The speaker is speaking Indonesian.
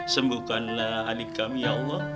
sembuhkanlah adik kami ya allah